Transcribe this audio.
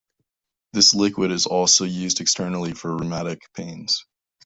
This liquid is also used externally for rheumatic pains.